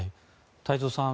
太蔵さん